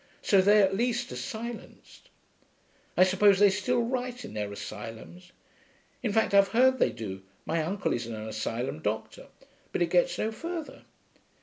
So they, at least, are silenced. I suppose they still write, in their asylums in fact I've heard they do (my uncle is an asylum doctor) but it gets no further....'